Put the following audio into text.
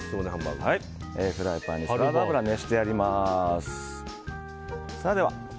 フライパンにサラダ油を熱してあります。